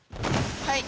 はい。